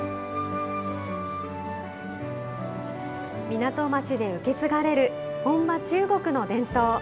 港町で受け継がれる本場、中国の伝統。